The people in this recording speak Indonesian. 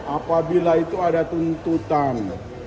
apabila itu ada tuntutan